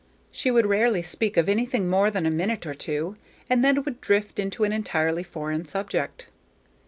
She would rarely speak of anything more than a minute or two, and then would drift into an entirely foreign subject.